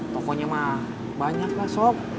tokonya mah banyak lah sob